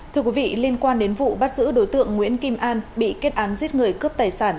thưa quý vị liên quan đến vụ bắt giữ đối tượng nguyễn kim an bị kết án giết người cướp tài sản